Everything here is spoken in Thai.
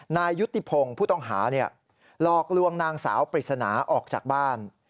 นายยุติพงศ์ผู้ต้องหาหลอกลวงนางสาวปริศนาออกจากบ้าน